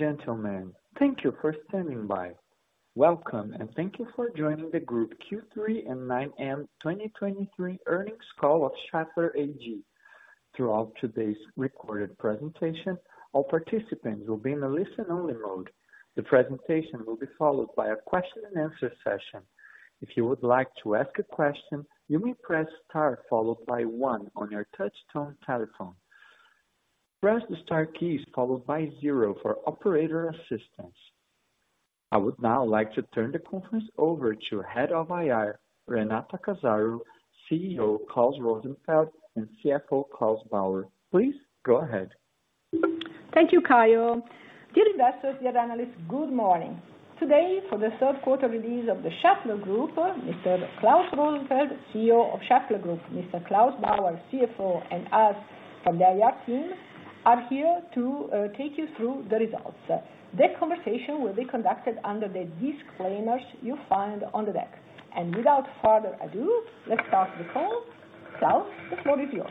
Ladies and gentlemen, thank you for standing by. Welcome, and thank you for joining the group Q3 and 9M 2023 earnings call of Schaeffler AG. Throughout today's recorded presentation, all participants will be in a listen-only mode. The presentation will be followed by a question and answer session. If you would like to ask a question, you may press star followed by one on your touchtone telephone. Press the star key followed by zero for operator assistance. I would now like to turn the conference over to Head of IR, Renata Casaro, CEO Klaus Rosenfeld, and CFO Claus Bauer. Please go ahead. Thank you, Kyle. Dear investors, dear analysts, good morning. Today, for the third quarter release of the Schaeffler Group, Mr. Klaus Rosenfeld, CEO of Schaeffler Group, Mr. Claus Bauer, CFO, and us from the IR team, are here to take you through the results. The conversation will be conducted under the disclaimers you find on the deck. And without further ado, let's start the call. Klaus, the floor is yours.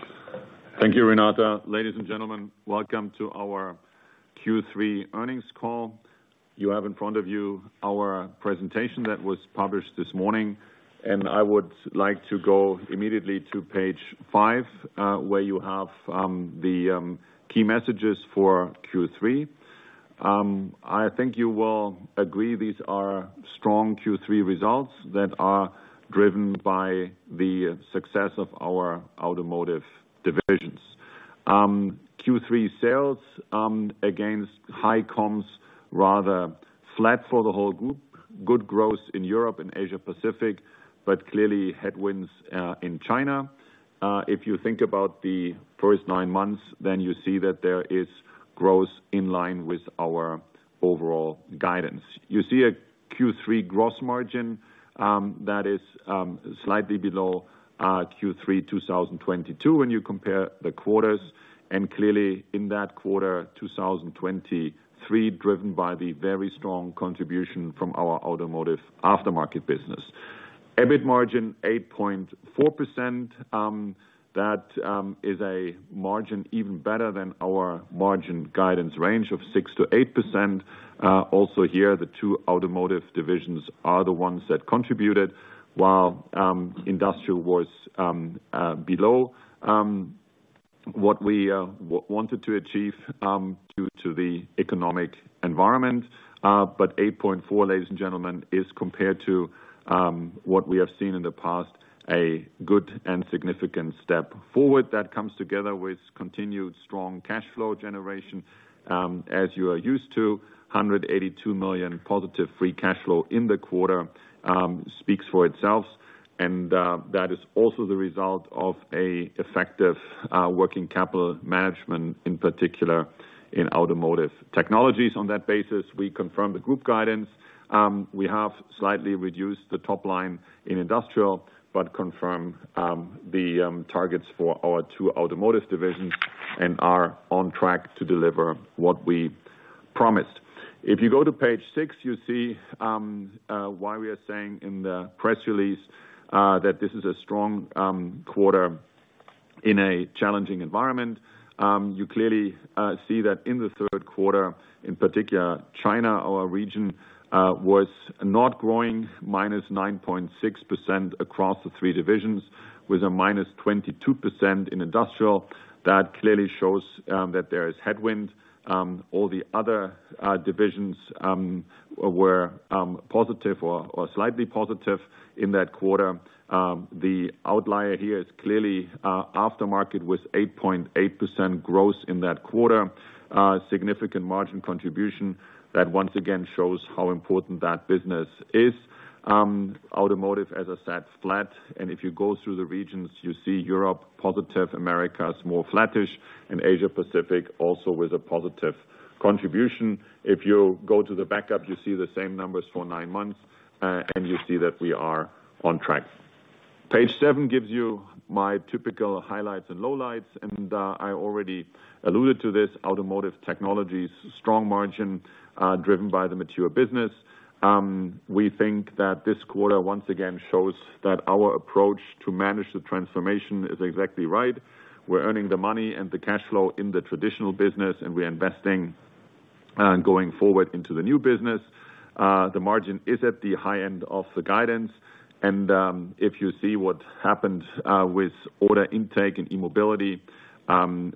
Thank you, Renata. Ladies and gentlemen, welcome to our Q3 earnings call. You have in front of you our presentation that was published this morning, and I would like to go immediately to page 5, where you have the key messages for Q3. I think you will agree these are strong Q3 results that are driven by the success of our automotive divisions. Q3 sales, against high comms, rather flat for the whole group. Good growth in Europe and Asia Pacific, but clearly headwinds in China. If you think about the first 9 months, then you see that there is growth in line with our overall guidance. You see a Q3 gross margin that is slightly below Q3 2022 when you compare the quarters, and clearly in that quarter, 2023, driven by the very strong contribution from our Automotive Aftermarket business. EBIT margin 8.4%. That is a margin even better than our margin guidance range of 6%-8%. Also here, the two automotive divisions are the ones that contributed, while Industrial was below what we wanted to achieve due to the economic environment. But 8.4, ladies and gentlemen, is compared to what we have seen in the past, a good and significant step forward that comes together with continued strong cash flow generation. As you are used to, 182 million positive free cash flow in the quarter speaks for itself, and that is also the result of an effective working capital management, in particular in Automotive Technologies. On that basis, we confirm the group guidance. We have slightly reduced the top line in Industrial, but confirmed the targets for our two automotive divisions and are on track to deliver what we promised. If you go to page six, you see why we are saying in the press release that this is a strong quarter in a challenging environment. You clearly see that in the third quarter, in particular, China, our region, was not growing, minus 9.6% across the three divisions, with a minus 22% in Industrial. That clearly shows that there is headwind. All the other divisions were positive or slightly positive in that quarter. The outlier here is clearly aftermarket, with 8.8% growth in that quarter. Significant margin contribution that once again shows how important that business is. Automotive, as I said, flat, and if you go through the regions, you see Europe, positive, Americas, more flattish, and Asia Pacific, also with a positive contribution. If you go to the backup, you see the same numbers for nine months, and you see that we are on track. Page seven gives you my typical highlights and lowlights, and I already alluded to this, Automotive Technologies, strong margin, driven by the mature business. We think that this quarter once again shows that our approach to manage the transformation is exactly right. We're earning the money and the cash flow in the traditional business, and we're investing, going forward into the new business. The margin is at the high end of the guidance, and, if you see what happened, with order intake and E-mobility,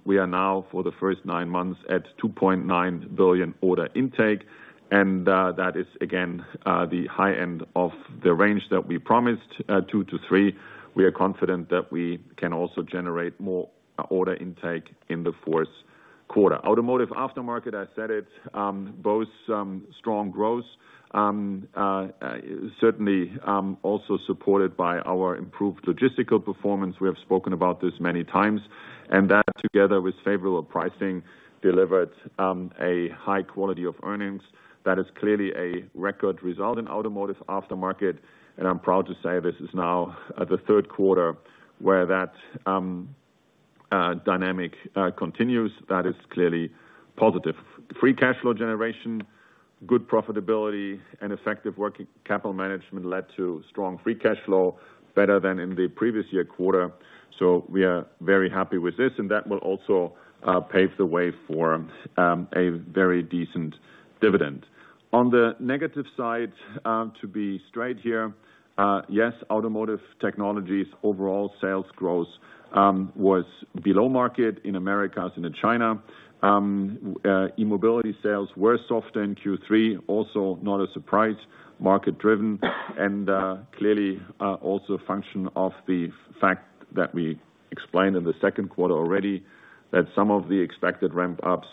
we are now, for the first nine months, at 2.9 billion order intake, and, that is again, the high end of the range that we promised, 2-3 billion. We are confident that we can also generate more order intake in the fourth quarter. Automotive aftermarket, I said it, boasts, strong growth. Certainly, also supported by our improved logistical performance. We have spoken about this many times, and that, together with favorable pricing, delivered, a high quality of earnings. That is clearly a record result in automotive aftermarket, and I'm proud to say this is now the third quarter where that dynamic continues. That is clearly positive. Good profitability and effective working capital management led to strong free cash flow, better than in the previous-year quarter. So we are very happy with this, and that will also pave the way for a very decent dividend. On the negative side, to be straight here, yes, Automotive Technologies' overall sales growth was below-market in Americas and in China. E-Mobility sales were softer in Q3, also not a surprise, market-driven, and clearly also a function of the fact that we explained in the second quarter already, that some of the expected ramp-ups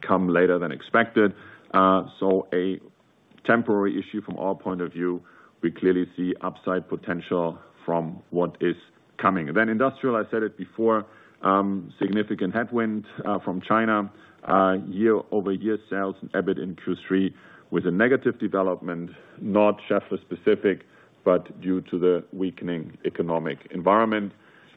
come later than expected. So a temporary issue from our point of view, we clearly see upside potential from what is coming. Then Industrial, I said it before, significant headwind from China. Year-over-year sales and EBIT in Q3 was a negative development, not Schaeffler specific, but due to the weakening economic environment.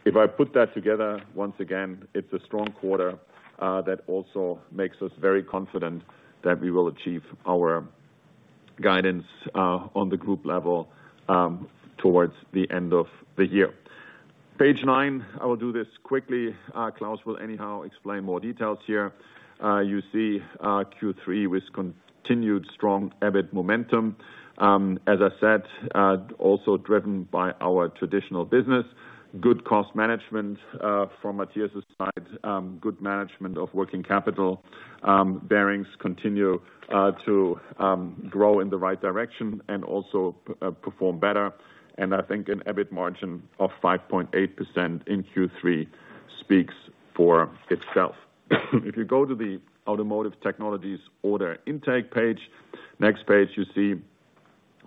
If I put that together, once again, it's a strong quarter that also makes us very confident that we will achieve our guidance on the group level towards the end of the year. Page nine, I will do this quickly. Claus will anyhow explain more details here. You see, Q3 with continued strong EBIT momentum. As I said, also driven by our traditional business, good cost management from Matthias' side, good management of working capital. Bearings continue to grow in the right direction and also perform better. I think an EBIT margin of 5.8% in Q3 speaks for itself. If you go to the Automotive Technologies order intake page, next page, you see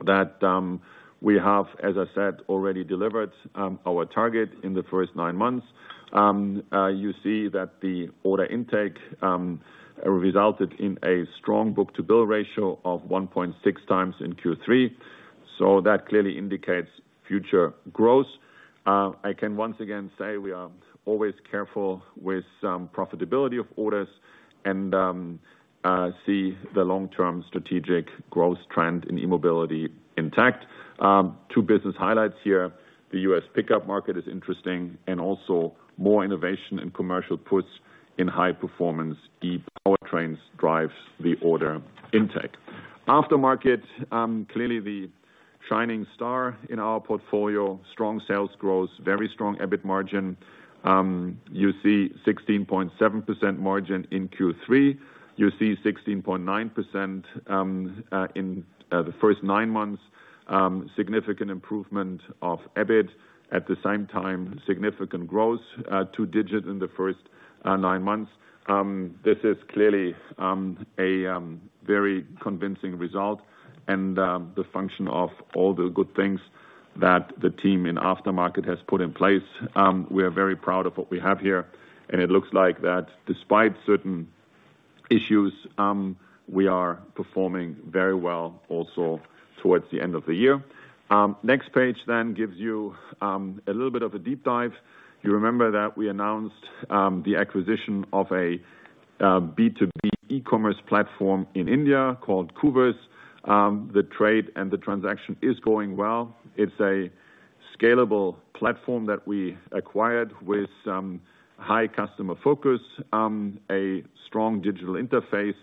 that we have, as I said, already delivered our target in the first nine months. You see that the order intake resulted in a strong book-to-bill ratio of 1.6 times in Q3, so that clearly indicates future growth. I can once again say we are always careful with profitability of orders, and see the long-term strategic growth trend in E-mobility intact. Two business highlights here. The U.S. pickup market is interesting, and also more innovation and commercial puts in high performance, e-powertrains drives the order intake. Aftermarket, clearly the shining star in our portfolio, strong sales growth, very strong EBIT margin. You see 16.7% margin in Q3. You see 16.9%, in the first nine months, significant improvement of EBIT, at the same time, significant growth, two-digit in the first nine months. This is clearly a very convincing result and the function of all the good things that the team in Aftermarket has put in place. We are very proud of what we have here, and it looks like that despite certain issues, we are performing very well also towards the end of the year. Next page then gives you a little bit of a deep dive. You remember that we announced the acquisition of a B2B e-commerce platform in India called Koovers. The trade and the transaction is going well. It's a scalable platform that we acquired with high customer focus, a strong digital interface,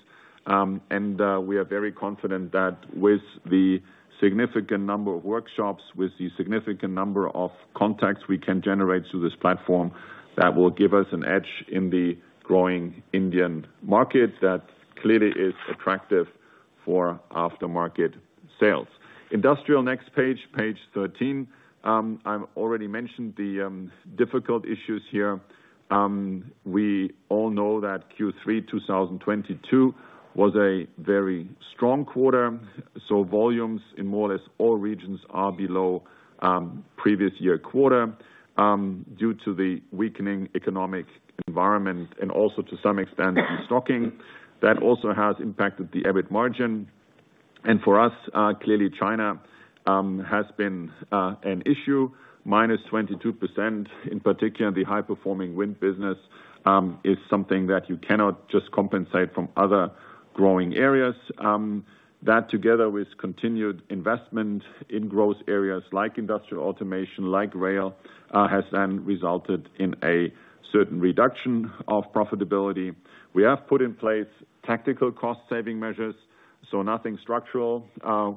and we are very confident that with the significant number of workshops, with the significant number of contacts we can generate through this platform, that will give us an edge in the growing Indian market that clearly is attractive for aftermarket sales. Industrial, next page, page 13. I've already mentioned the difficult issues here. We all know that Q3 2022 was a very strong quarter, so volumes in more or less all regions are below previous year quarter due to the weakening economic environment and also to some extent, in stocking. That also has impacted the EBIT margin. For us, clearly China has been an issue, minus 22%, in particular, the high-performing wind business is something that you cannot just compensate from other growing areas. That, together with continued investment in growth areas like industrial automation, like rail, has then resulted in a certain reduction of profitability. We have put in place tactical cost saving measures, so nothing structural.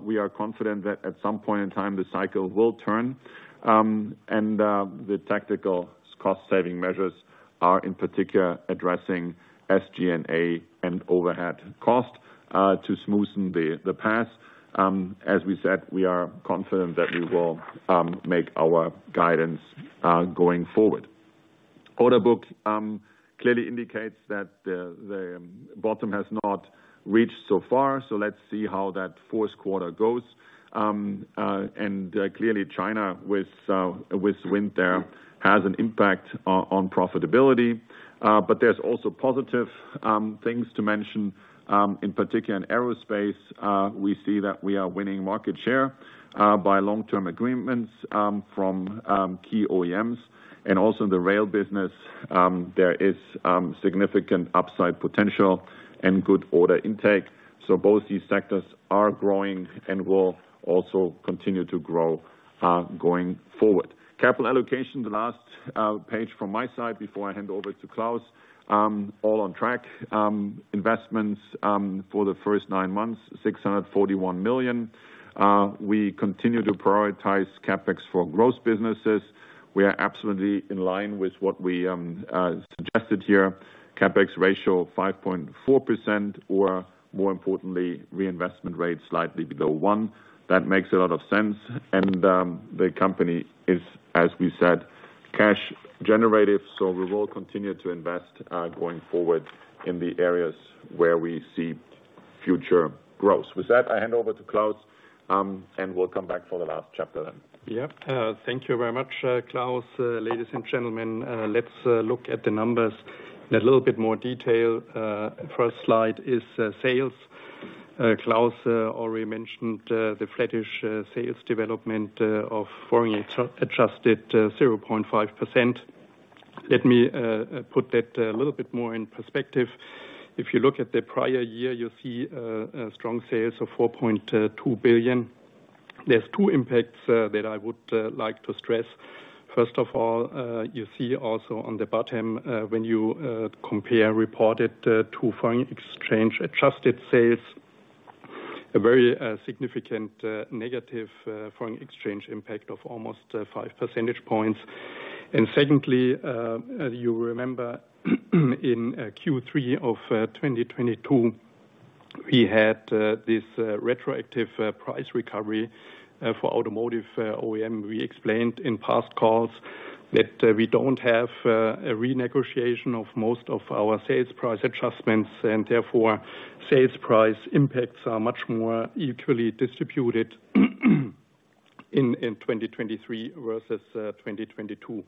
We are confident that at some point in time, the cycle will turn, and the tactical cost saving measures are, in particular, addressing SG&A and overhead cost to smoothen the path. As we said, we are confident that we will make our guidance going forward. Order book clearly indicates that the bottom has not reached so far, so let's see how that fourth quarter goes. Clearly China with wind there has an impact on profitability. But there's also positive things to mention, in particular, in aerospace, we see that we are winning market share by long-term agreements from key OEMs. And also in the rail business, there is significant upside potential and good order intake. So both these sectors are growing and will also continue to grow going forward. Capital allocation, the last page from my side before I hand over to Klaus, all on track. Investments for the first nine months, 641 million. We continue to prioritize CapEx for growth businesses. We are absolutely in line with what we suggested here. CapEx ratio of 5.4%, or more importantly, reinvestment rate, slightly below one. That makes a lot of sense. The company is, as we said, cash generative, so we will continue to invest going forward in the areas where we see future growth. With that, I hand over to Claus, and we'll come back for the last chapter then. Yeah, thank you very much, Klaus, ladies and gentlemen. Let's look at the numbers in a little bit more detail. First slide is sales. Klaus already mentioned the flattish sales development of foreign exchange-adjusted 0.5%. Let me put that a little bit more in perspective. If you look at the prior year, you'll see a strong sales of 4.2 billion. There's two impacts that I would like to stress. First of all, you see also on the bottom, when you compare reported to foreign exchange adjusted sales, a very significant negative foreign exchange impact of almost 5 percentage points. And secondly, as you remember, in Q3 of 2022, we had this retroactive price recovery for automotive OEM. We explained in past calls that we don't have a renegotiation of most of our sales price adjustments, and therefore, sales price impacts are much more equally distributed in 2023 versus 2022.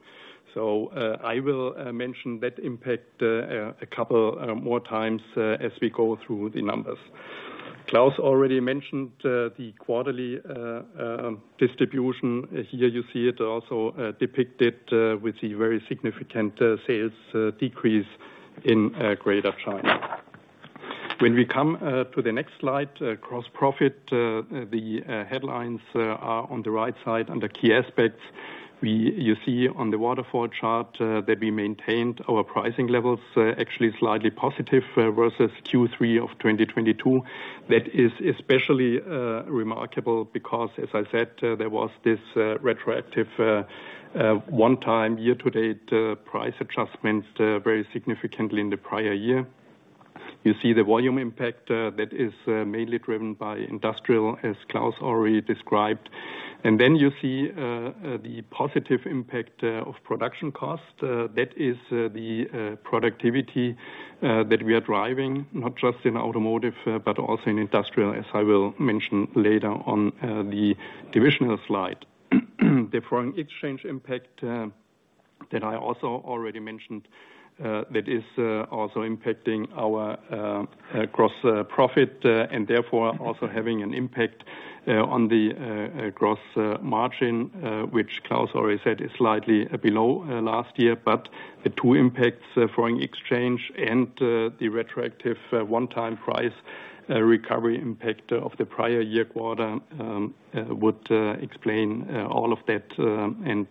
So, I will mention that impact a couple more times as we go through the numbers. Klaus already mentioned the quarterly distribution. Here you see it also depicted with the very significant sales decrease in Greater China. When we come to the next slide, gross profit, the headlines are on the right side, under key aspects. You see on the waterfall chart, that we maintained our pricing levels, actually slightly positive, versus Q3 of 2022. That is especially remarkable because, as I said, there was this, retroactive, one-time, year-to-date, price adjustments very significantly in the prior year. You see the volume impact, that is, mainly driven by industrial, as Klaus already described. And then you see, the positive impact, of production cost. That is, the productivity, that we are driving, not just in automotive, but also in industrial, as I will mention later on, the divisional slide. The foreign exchange impact, that I also already mentioned, that is, also impacting our, gross, profit, and therefore also having an impact, on the, gross, margin, which Klaus already said is slightly below, last year. But the two impacts, foreign exchange and, the retroactive, one-time price, recovery impact of the prior year quarter, would, explain, all of that. And,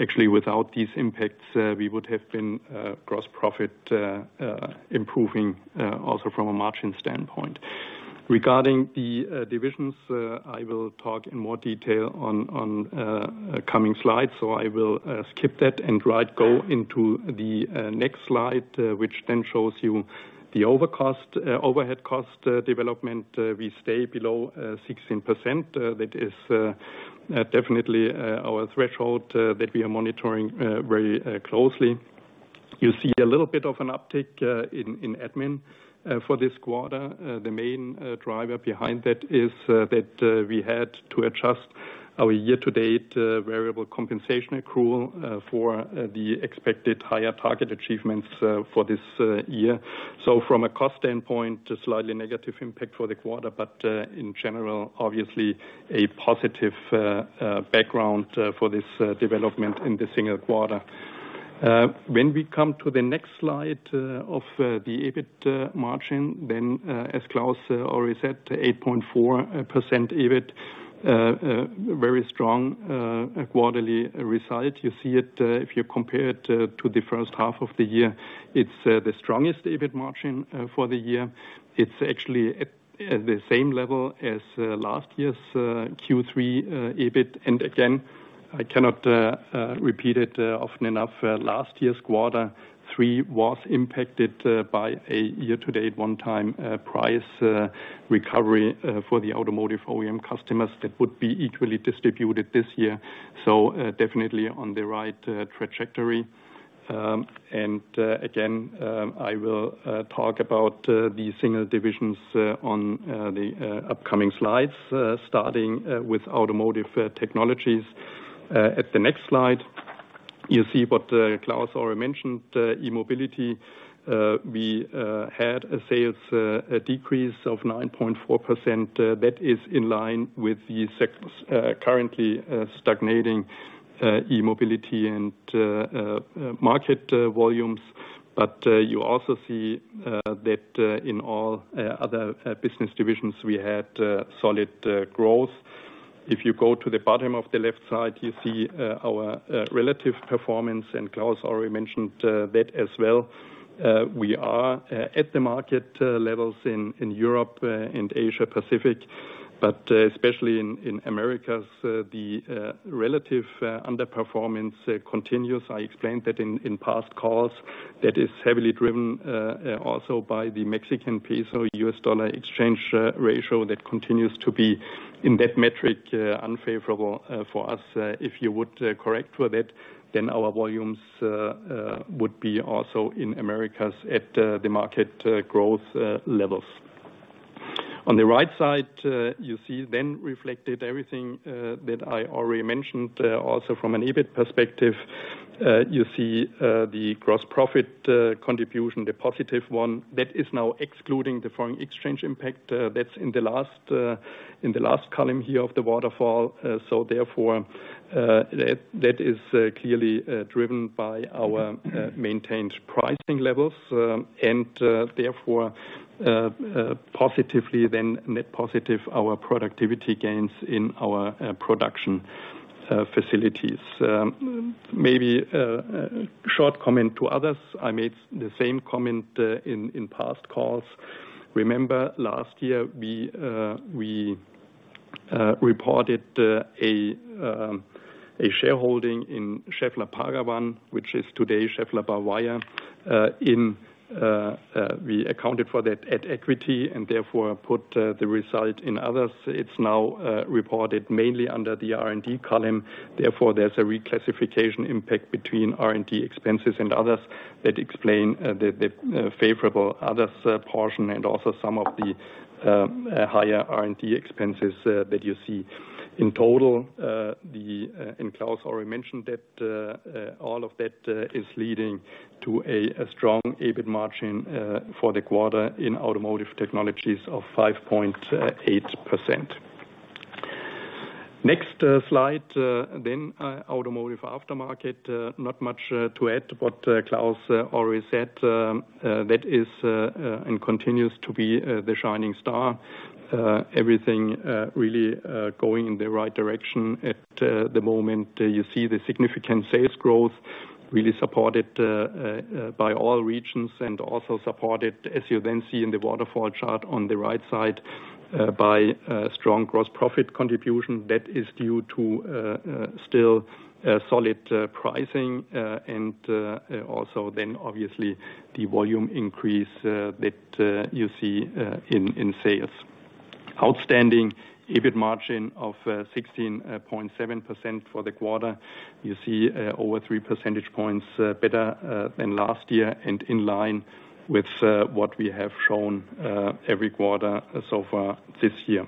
actually, without these impacts, we would have been, gross profit, improving, also from a margin standpoint. Regarding the, divisions, I will talk in more detail on, on, coming slides, so I will, skip that and right go into the, next slide, which then shows you the overhead cost, development. We stay below 16%. That is definitely our threshold that we are monitoring very closely. You see a little bit of an uptick in admin for this quarter. The main driver behind that is that we had to adjust our year-to-date variable compensation accrual for the expected higher target achievements for this year. So from a cost standpoint, a slightly negative impact for the quarter, but in general, obviously a positive background for this development in the single quarter. When we come to the next slide of the EBIT margin, then as Klaus already said, 8.4% EBIT, very strong quarterly result. You see it, if you compare it, to the first half of the year, it's the strongest EBIT margin for the year. It's actually at the same level as last year's Q3 EBIT. Again, I cannot repeat it often enough. Last year's quarter three was impacted by a year-to-date, one-time price recovery for the automotive OEM customers that would be equally distributed this year. So, definitely on the right trajectory. Again, I will talk about the single divisions on the upcoming slides, starting with automotive technologies. At the next slide, you see what Klaus already mentioned, E-mobility. We had a sales decrease of 9.4%. That is in line with the sector, currently stagnating E-mobility and market volumes. But you also see that in all other business divisions, we had solid growth. If you go to the bottom of the left side, you see our relative performance, and Klaus already mentioned that as well. We are at the market levels in Europe and Asia Pacific, but especially in Americas, the relative underperformance continues. I explained that in past calls. That is heavily driven also by the Mexican peso/US dollar exchange ratio that continues to be, in that metric, unfavorable for us. If you would correct for that, then our volumes would be also in Americas at the market growth levels. On the right side, you see then reflected everything that I already mentioned also from an EBIT perspective. You see the gross profit contribution, the positive one, that is now excluding the foreign exchange impact. That's in the last column here of the waterfall. So therefore, that is clearly driven by our maintained pricing levels, and positively then net positive our productivity gains in our production facilities. Maybe a short comment to others. I made the same comment in past calls. Remember, last year, we reported a shareholding in Schaeffler Paravan, which is today Schaeffler ByWire, in we accounted for that at equity, and therefore, put the result in others. It's now reported mainly under the R&D column. Therefore, there's a reclassification impact between R&D expenses and others that explain the favorable others portion, and also some of the higher R&D expenses that you see. In total, the and Klaus already mentioned that all of that is leading to a strong EBIT margin for the quarter in automotive technologies of 5.8%. Next slide, then automotive aftermarket. Not much to add to what Klaus already said. That is, and continues to be, the shining star. Everything really going in the right direction at the moment. You see the significant sales growth really supported by all regions and also supported, as you then see in the waterfall chart on the right side, by strong gross profit contribution. That is due to still solid pricing and also then obviously the volume increase that you see in sales. Outstanding EBIT margin of 16.7% for the quarter. You see over three percentage points better than last year, and in line with what we have shown every quarter so far this year.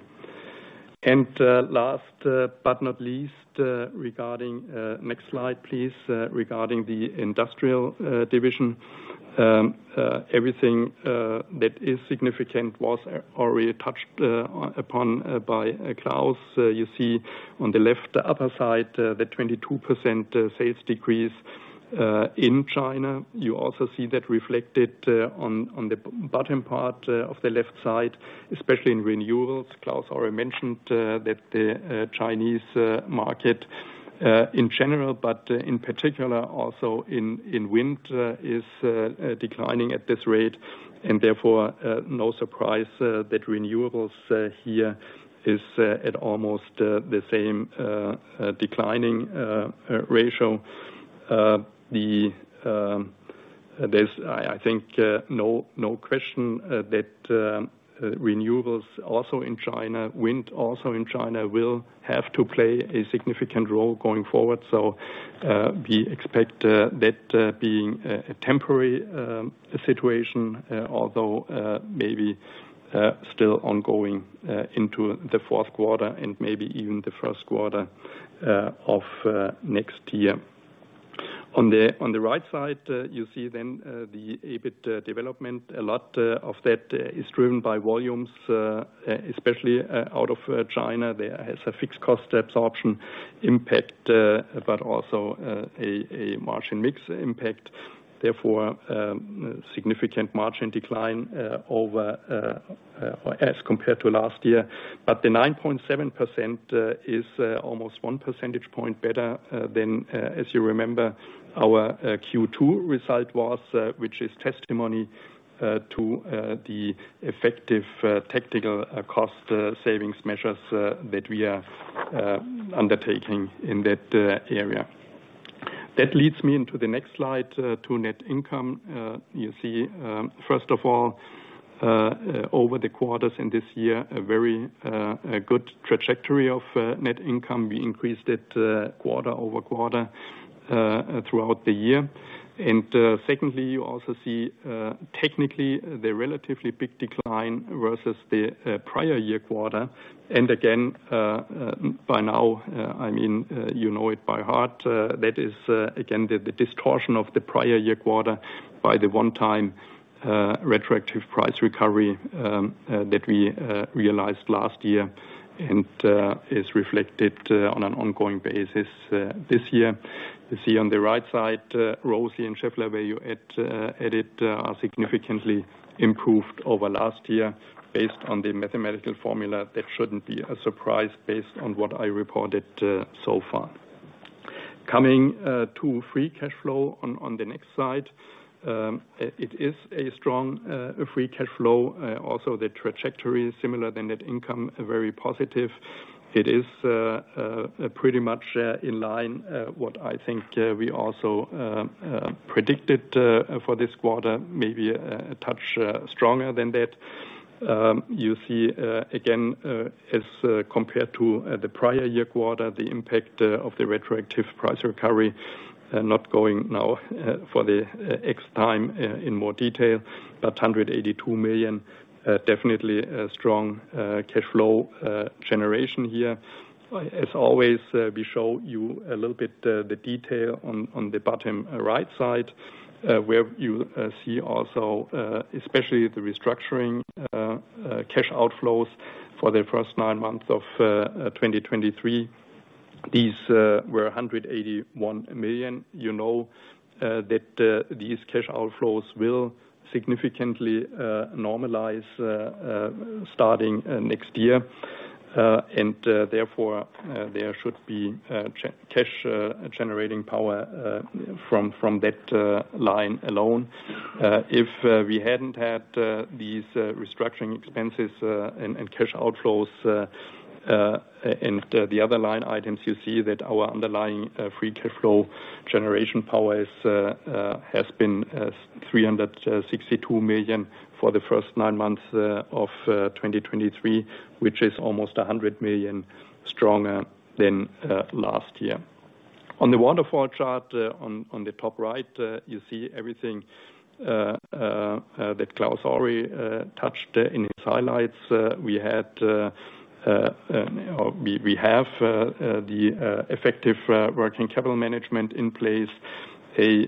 And last but not least regarding... Next slide, please, regarding the industrial division. Everything that is significant was already touched upon by Klaus. You see on the left, the upper side, the 22% sales decrease in China. You also see that reflected on the bottom part of the left side, especially in renewables. Klaus already mentioned that the Chinese market in general, but in particular also in wind is declining at this rate, and therefore no surprise that renewables here is at almost the same declining ratio. There's, I think, no question that renewables also in China, wind also in China, will have to play a significant role going forward. So, we expect that being a temporary situation, although maybe still ongoing into the fourth quarter and maybe even the first quarter of next year. On the right side, you see then the EBIT development. A lot of that is driven by volumes, especially out of China. There is a fixed cost absorption impact, but also a margin mix impact, therefore significant margin decline over as compared to last year. But the 9.7% is almost one percentage point better than as you remember, our Q2 result was, which is testimony to the effective tactical cost savings measures that we are undertaking in that area. That leads me into the next slide, to net income. You see, first of all, over the quarters in this year, a very good trajectory of net income. We increased it quarter-over-quarter throughout the year. Secondly, you also see technically the relatively big decline versus the prior year quarter. Again, by now, I mean, you know it by heart, that is again the distortion of the prior year quarter by the one-time retroactive price recovery that we realized last year, and is reflected on an ongoing basis this year. You see on the right side, ROCE and Schaeffler, where you at, at it, are significantly improved over last year based on the mathematical formula. That shouldn't be a surprise based on what I reported so far. Coming to free cashflow on the next slide. It is a strong free cashflow, also the trajectory is similar to net income, very positive. It is pretty much in line what I think we also predicted for this quarter, maybe a touch stronger than that. You see again as compared to the prior year quarter, the impact of the retroactive price recovery not going now for the X time in more detail, but 182 million definitely a strong cashflow generation here. As always, we show you a little bit the detail on the bottom right side, where you see also especially the restructuring cash outflows for the first nine months of 2023. These were 181 million. You know that these cash outflows will significantly normalize starting next year. Therefore, there should be cash generating power from that line alone. If we hadn't had these restructuring expenses, and cash outflows, and the other line items, you see that our underlying free cashflow generation power has been 362 million for the first nine months of 2023, which is almost 100 million stronger than last year. On the waterfall chart, on the top right, you see everything that Claus already touched in his highlights. We have the effective working capital management in place. A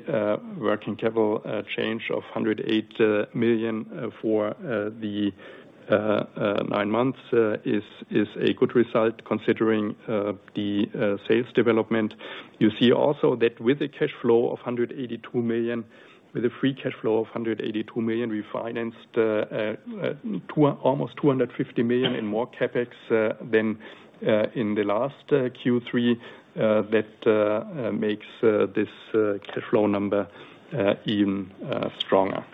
working capital change of 108 million for the nine months is a good result considering the sales development. You see also that with a cash flow of 182 million, with a free cash flow of 182 million, we financed two, almost 250 million in more CapEx than in the last Q3. That makes this cash flow number even stronger.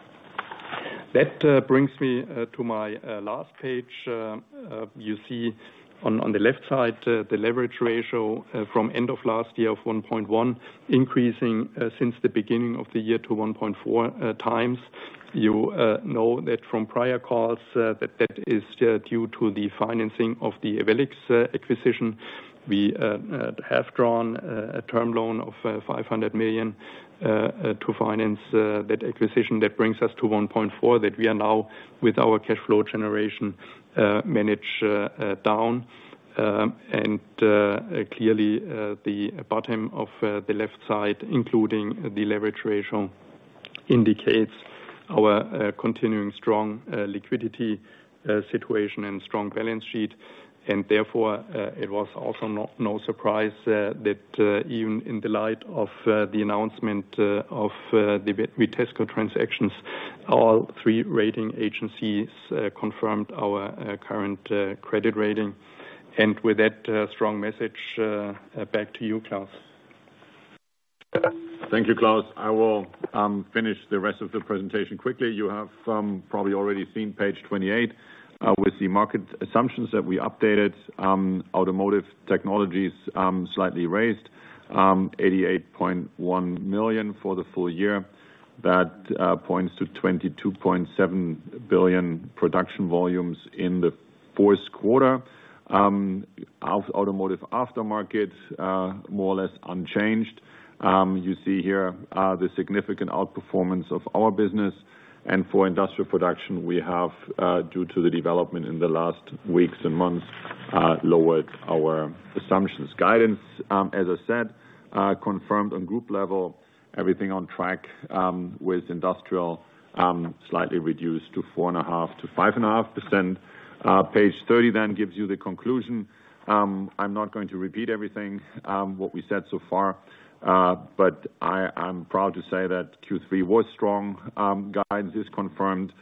That brings me to my last page. You see on the left side the leverage ratio from end of last year of 1.1, increasing since the beginning of the year to 1.4 times. You know that from prior calls, that that is due to the financing of the Ewellix acquisition. We have drawn a term loan of 500 million to finance that acquisition. That brings us to 1.4, that we are now with our cash flow generation managed down. And clearly, the bottom of the left side, including the leverage ratio, indicates our continuing strong liquidity situation and strong balance sheet. And therefore, it was also no surprise that even in the light of the announcement of the Vitesco transactions, all three rating agencies confirmed our current credit rating. And with that strong message, back to you, Klaus. Thank you, Claus. I will finish the rest of the presentation quickly. You have probably already seen page 28 with the market assumptions that we updated. Automotive Technologies slightly raised 88.1 million for the full year. That points to 22.7 billion production volumes in the fourth quarter. Automotive Aftermarket more or less unchanged. You see here the significant outperformance of our business, and for Industrial production, we have due to the development in the last weeks and months lowered our assumptions. Guidance as I said confirmed on group level, everything on track with Industrial slightly reduced to 4.5%-5.5%. Page 30 then gives you the conclusion. I'm not going to repeat everything, what we said so far, but I'm proud to say that Q3 was strong. Guidance is confirmed.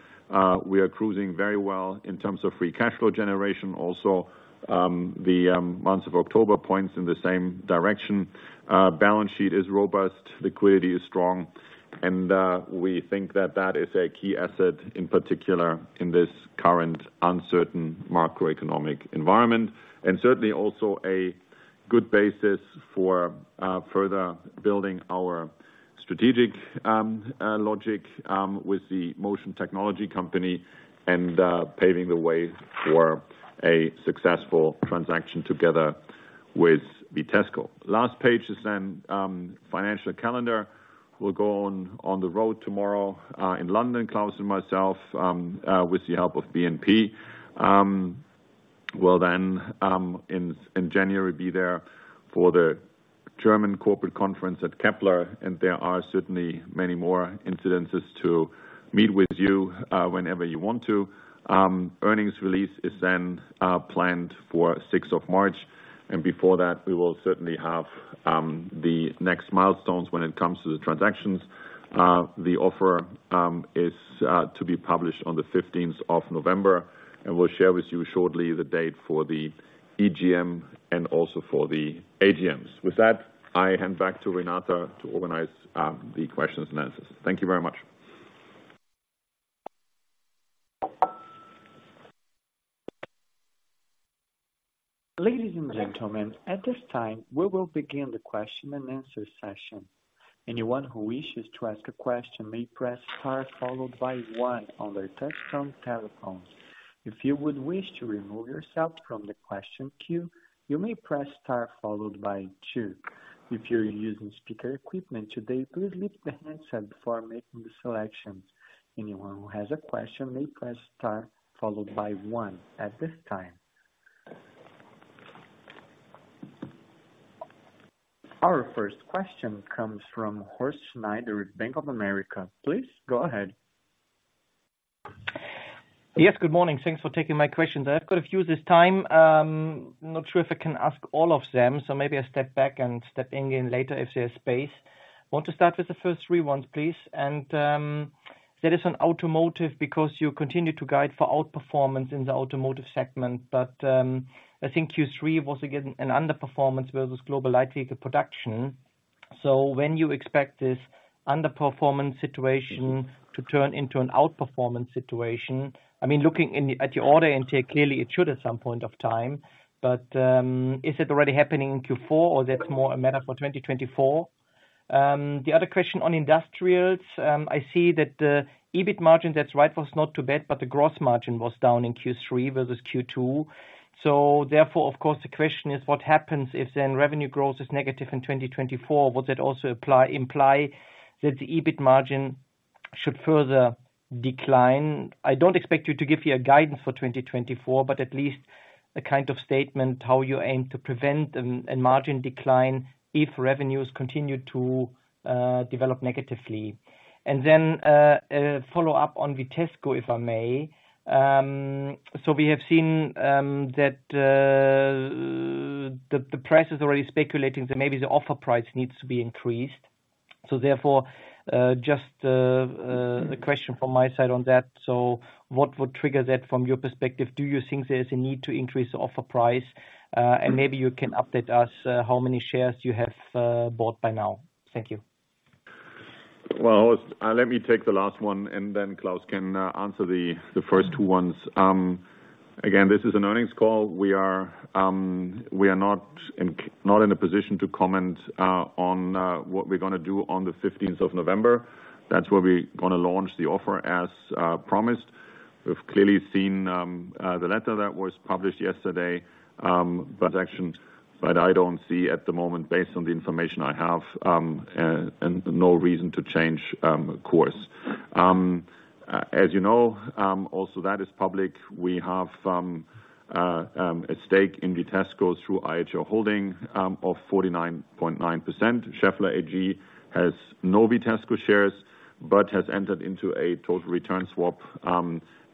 We are cruising very well in terms of free cashflow generation. Also, the months of October points in the same direction. Balance sheet is robust, liquidity is strong, and we think that that is a key asset, in particular, in this current uncertain macroeconomic environment, and certainly also a good basis for further building our strategic logic with the Motion Technology Company and paving the way for a successful transaction together with Vitesco. Last page is then financial calendar. We'll go on the road tomorrow in London, Klaus and myself with the help of BNP. We'll then in January be there for the German Corporate Conference at Kepler, and there are certainly many more instances to meet with you, whenever you want to. Earnings release is then planned for the sixth of March, and before that, we will certainly have the next milestones when it comes to the transactions. The offer is to be published on the fifteenth of November, and we'll share with you shortly the date for the EGM and also for the AGMs. With that, I hand back to Renata to organize the questions and answers. Thank you very much. Ladies and gentlemen, at this time, we will begin the question and answer session. Anyone who wishes to ask a question may press star, followed by one on their touch-tone telephones. If you would wish to remove yourself from the question queue, you may press star followed by two. If you're using speaker equipment today, please lift the handset before making the selections. Anyone who has a question may press star followed by one at this time. Our first question comes from Horst Schneider at Bank of America. Please go ahead. Yes, good morning. Thanks for taking my questions. I've got a few this time. Not sure if I can ask all of them, so maybe I step back and step in again later if there's space. Want to start with the first three ones, please, and that is on automotive, because you continue to guide for outperformance in the automotive segment, but I think Q3 was, again, an underperformance versus global light vehicle production. So when you expect this underperformance situation to turn into an outperformance situation, I mean, looking in at your order intake, clearly, it should at some point of time. But is it already happening in Q4, or that's more a matter for 2024? The other question on industrials, I see that the EBIT margin, that's right, was not too bad, but the gross margin was down in Q3 versus Q2. So therefore, of course, the question is, what happens if then revenue growth is negative in 2024? Would that also apply, imply that the EBIT margin should further decline? I don't expect you to give me a guidance for 2024, but at least a kind of statement how you aim to prevent a margin decline if revenues continue to develop negatively. And then, a follow-up on Vitesco, if I may. So we have seen that the price is already speculating that maybe the offer price needs to be increased. So therefore, just- Mm-hmm. the question from my side on that, so what would trigger that from your perspective? Do you think there's a need to increase the offer price? Mm. Maybe you can update us how many shares you have bought by now. Thank you. Well, Horst, let me take the last one, and then Klaus can answer the first two ones. Again, this is an earnings call. We are not in a position to comment on what we're gonna do on the fifteenth of November. That's where we're gonna launch the offer, as promised. We've clearly seen the letter that was published yesterday, but actually, but I don't see at the moment, based on the information I have, and no reason to change course. As you know, also, that is public, we have a stake in Vitesco through IHO Holding of 49.9%. Schaeffler AG has no Vitesco shares, but has entered into a total return swap,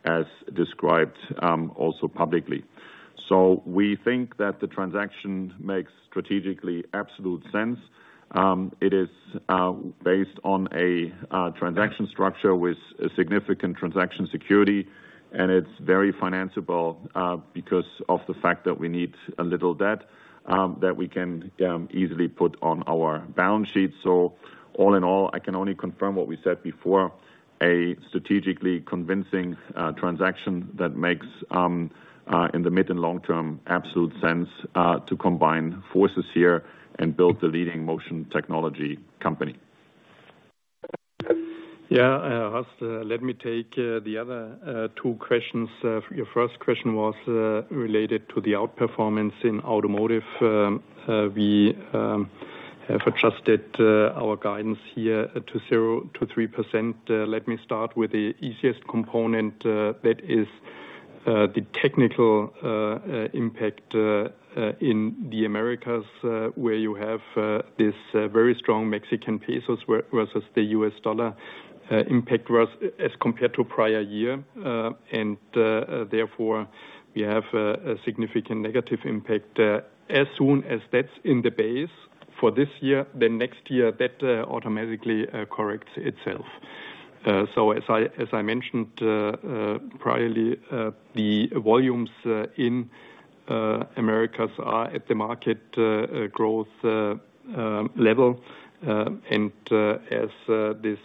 as described, also publicly. So we think that the transaction makes strategically absolute sense. It is based on a transaction structure with significant transaction security, and it's very financiable because of the fact that we need a little debt that we can easily put on our balance sheet. So all in all, I can only confirm what we said before, a strategically convincing transaction that makes in the mid- and long-term absolute sense to combine forces here and build the leading Motion Technology Company. Yeah, Horst, let me take the other two questions. Your first question was related to the outperformance in automotive. We have adjusted our guidance here to 0%-3%. Let me start with the easiest component, that is, the technical impact in the Americas, where you have this very strong Mexican pesos versus the U.S. dollar impact versus, as compared to prior year. And therefore, we have a significant negative impact. As soon as that's in the base for this year, then next year, that automatically corrects itself. So as I mentioned priorly, the volumes in Americas are at the market growth level. As this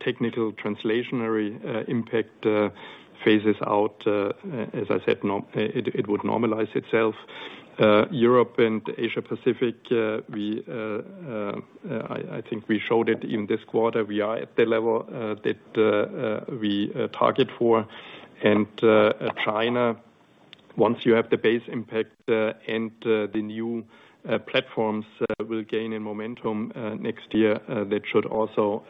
technical transitory impact phases out, as I said, it would normalize itself. Europe and Asia Pacific, I think we showed it in this quarter, we are at the level that we target for. China, once you have the base impact, and the new platforms will gain in momentum next year, that should also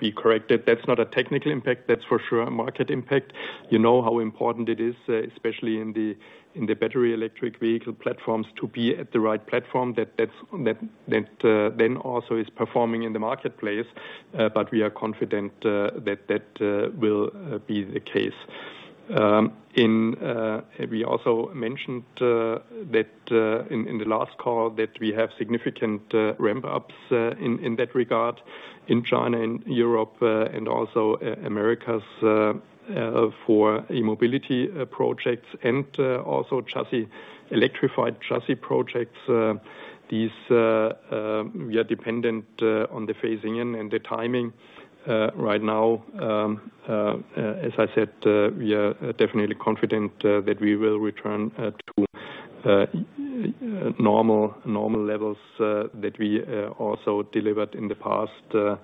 be corrected. That's not a technical impact, that's for sure a market impact. You know how important it is, especially in the battery electric vehicle platforms, to be at the right platform, that, that's, that, that, then also is performing in the marketplace, but we are confident that that will be the case. We also mentioned that in the last call that we have significant ramp-ups in that regard in China and Europe and also Americas for E-mobility projects and also chassis electrified chassis projects. These we are dependent on the phasing in and the timing right now. As I said, we are definitely confident that we will return to normal levels that we also delivered in the past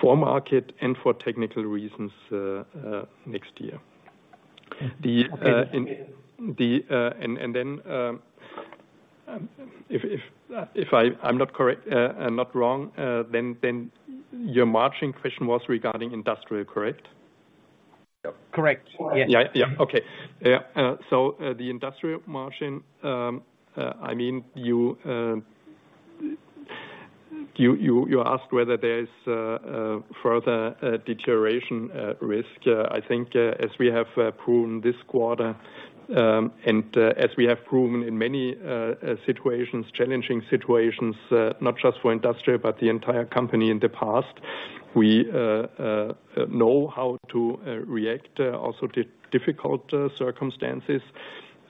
for market and for technical reasons next year. The in- Okay. If I'm not correct, I'm not wrong, then your margin question was regarding industrial, correct? Correct, yes. Yeah, yeah. Okay. Yeah, so, the industrial margin, I mean, you asked whether there is a further deterioration risk. I think, as we have proven this quarter, and, as we have proven in many challenging situations, not just for industrial, but the entire company in the past, we know how to react, also to difficult circumstances.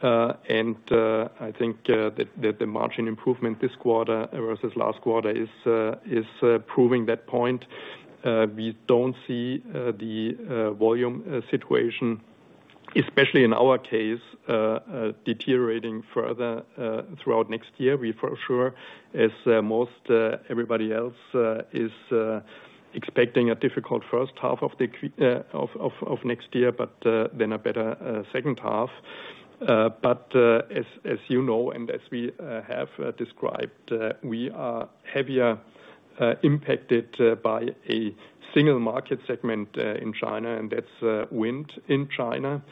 And, I think, that the margin improvement this quarter versus last quarter is proving that point. We don't see the volume situation, especially in our case, deteriorating further, throughout next year. We for sure, as most everybody else is expecting a difficult first half of next year, but then a better second half. But as you know, and as we have described, we are heavier impacted by a single market segment in China, and that's wind in China.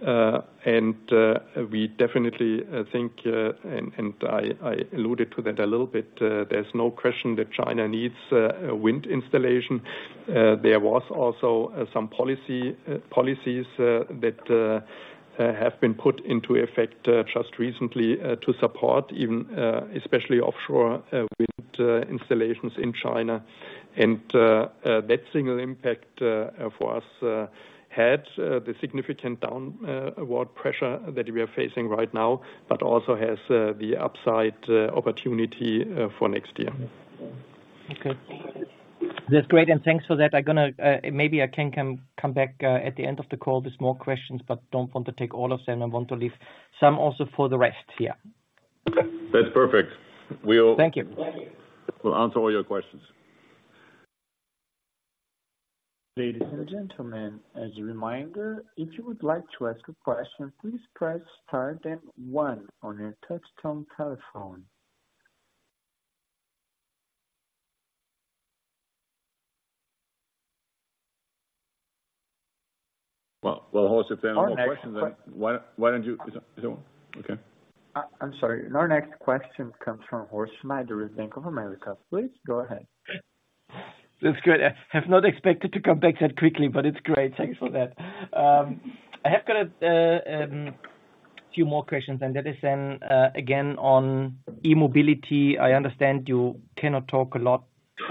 And we definitely think, and I alluded to that a little bit, there's no question that China needs a wind installation. There was also some policies that have been put into effect just recently to support even especially offshore wind installations in China. That single impact for us had the significant downward pressure that we are facing right now, but also has the upside opportunity for next year. Okay. That's great, and thanks for that. I'm gonna maybe I can come back at the end of the call with more questions, but don't want to take all of them. I want to leave some also for the rest, here. That's perfect. We'll- Thank you. We'll answer all your questions. Ladies and gentlemen, as a reminder, if you would like to ask a question, please press star then one on your touchtone telephone. Well, well, Horst, if there are more questions- Our next que-... then why, why don't you, is it on? Okay. I'm sorry. Our next question comes from Horst Schneider with Bank of America. Please go ahead. That's good. I have not expected to come back that quickly, but it's great. Thanks for that. I have got a few more questions, and that is then, again, on E-mobility. I understand you cannot talk a lot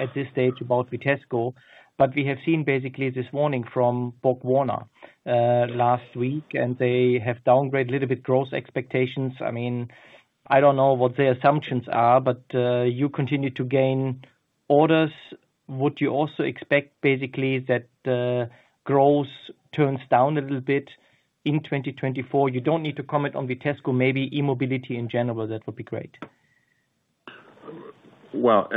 at this stage about Vitesco, but we have seen basically this morning from BorgWarner last week, and they have downgrade little bit growth expectations. I mean, I don't know what the assumptions are, but you continue to gain orders. Would you also expect, basically, that the growth turns down a little bit in 2024? You don't need to comment on Vitesco, maybe E-mobility in general, that would be great. Well,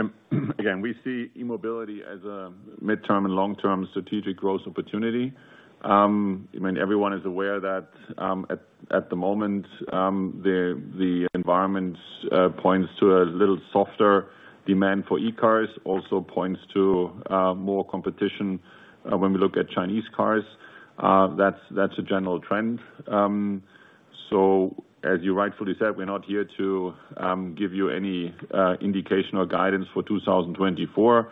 again, we see E-mobility as a midterm and long-term strategic growth opportunity. I mean, everyone is aware that at the moment the environment points to a little softer demand for E-cars, also points to more competition when we look at Chinese cars. That's a general trend. So as you rightfully said, we're not here to give you any indication or guidance for 2024.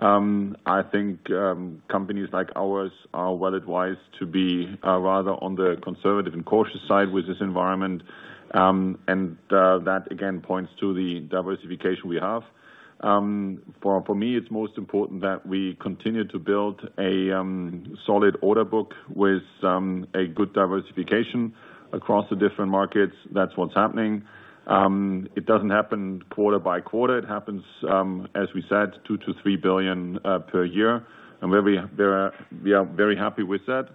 I think companies like ours are well advised to be rather on the conservative and cautious side with this environment. And that again points to the diversification we have. For me, it's most important that we continue to build a solid order book with a good diversification across the different markets. That's what's happening. It doesn't happen quarter by quarter. It happens, as we said, 2 billion-3 billion per year, and we are very happy with that....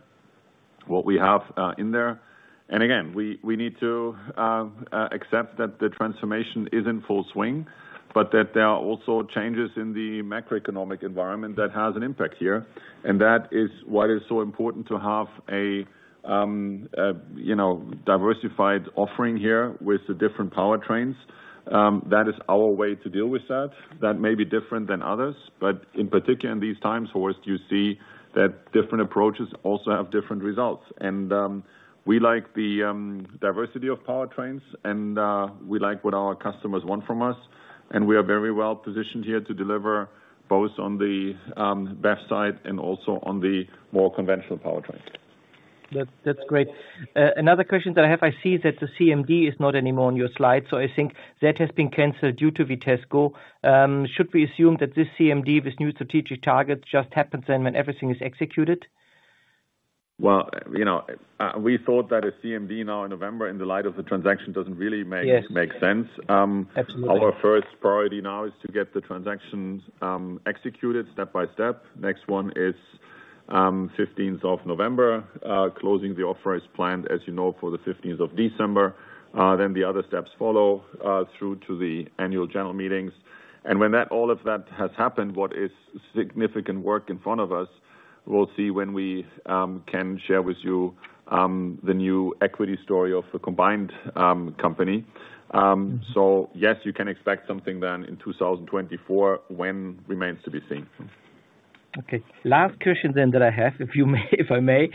what we have in there. And again, we need to accept that the transformation is in full swing, but that there are also changes in the macroeconomic environment that has an impact here. And that is why it's so important to have a you know, diversified offering here with the different powertrains. That is our way to deal with that. That may be different than others, but in particular, in these times, Horst, you see that different approaches also have different results. And we like the diversity of powertrains, and we like what our customers want from us, and we are very well positioned here to deliver both on the best side and also on the more conventional powertrain. That's, that's great. Another question that I have, I see that the CMD is not anymore on your slide, so I think that has been canceled due to Vitesco. Should we assume that this CMD, this new strategic target, just happens then when everything is executed? Well, you know, we thought that a CMD now in November, in the light of the transaction, doesn't really make- Yes. Make sense. Absolutely. Our first priority now is to get the transactions executed step by step. Next one is fifteenth of November. Closing the offer is planned, as you know, for the fifteenth of December. Then the other steps follow through to the annual general meetings. And when all of that has happened, what is significant work in front of us, we'll see when we can share with you the new equity story of the combined company. So yes, you can expect something then in 2024. When remains to be seen. Okay. Last question then that I have, if you may, if I may.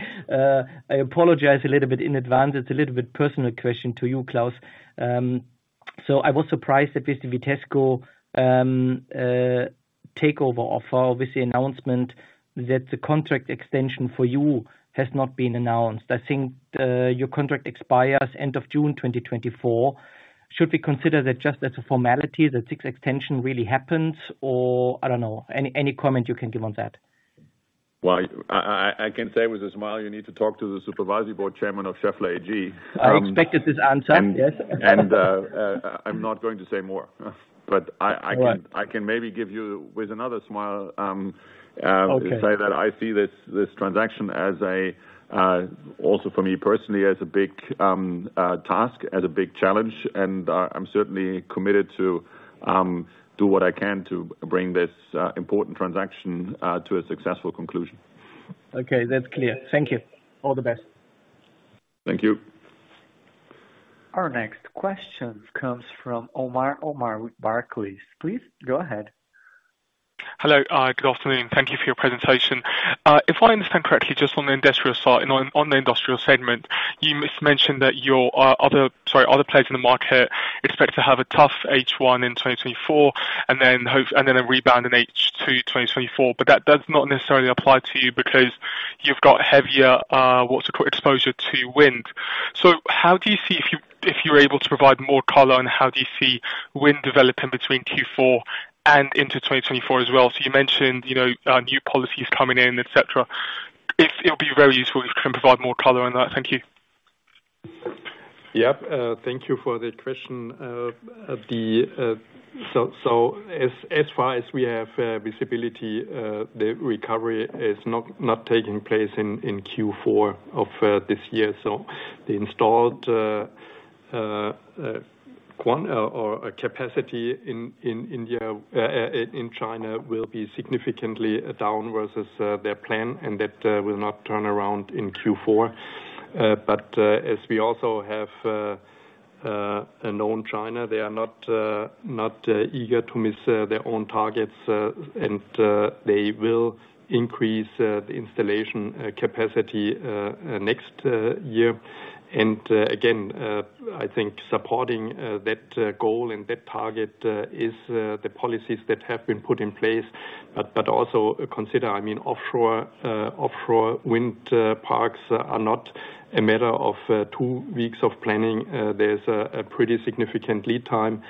I apologize a little bit in advance. It's a little bit personal question to you, Klaus. So I was surprised that with the Vitesco takeover offer, with the announcement, that the contract extension for you has not been announced. I think your contract expires end of June 2024. Should we consider that just as a formality, that this extension really happens? Or I don't know, any comment you can give on that? Well, I can say with a smile, you need to talk to the supervisory board chairman of Schaeffler AG. I expected this answer, yes. I'm not going to say more. But I can- All right. I can maybe give you, with another smile, Okay... say that I see this transaction as also for me personally, as a big task, as a big challenge. I'm certainly committed to do what I can to bring this important transaction to a successful conclusion. Okay, that's clear. Thank you. All the best. Thank you. Our next question comes from Omar Omar with Barclays. Please go ahead. Hello. Good afternoon. Thank you for your presentation. If I understand correctly, just on the industrial side and the industrial segment, you mentioned that other players in the market expect to have a tough H1 in 2024, and then a rebound in H2 2024. But that does not necessarily apply to you, because you've got heavier, what you call, exposure to wind. So how do you see, if you're able to provide more color, on how do you see wind developing between Q4 and into 2024 as well? So you mentioned, you know, new policies coming in, et cetera. It'll be very useful if you can provide more color on that. Thank you. Yep, thank you for the question. So, as far as we have visibility, the recovery is not taking place in Q4 of this year. So the installed capacity in India in China will be significantly down versus their plan, and that will not turn around in Q4. But as we also have known China, they are not eager to miss their own targets, and they will increase the installation capacity next year. And again, I think supporting that goal and that target is the policies that have been put in place. But also consider, I mean, offshore offshore wind parks are not a matter of two weeks of planning. There's a pretty significant lead time.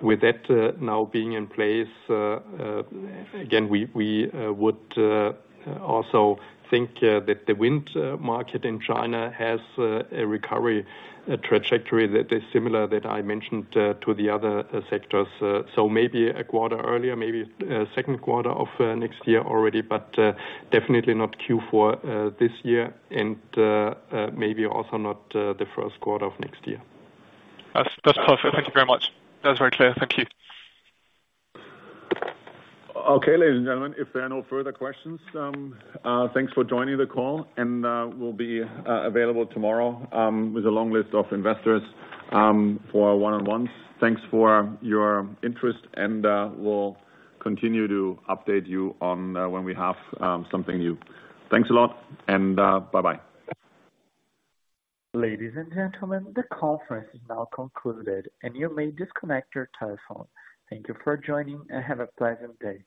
With that now being in place, again, we would also think that the wind market in China has a recovery trajectory that is similar, that I mentioned to the other sectors. So maybe a quarter earlier, maybe a second quarter of next year already, but definitely not Q4 this year, and maybe also not the first quarter of next year. That's, that's perfect. Thank you very much. That's very clear. Thank you. Okay, ladies and gentlemen, if there are no further questions, thanks for joining the call, and we'll be available tomorrow with a long list of investors for one-on-ones. Thanks for your interest, and we'll continue to update you on when we have something new. Thanks a lot and bye-bye. Ladies and gentlemen, the conference is now concluded, and you may disconnect your telephone. Thank you for joining, and have a pleasant day.